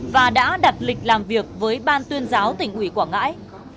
và đã đặt lịch làm việc với ban tuyên giáo tỉnh ủy quảng ngãi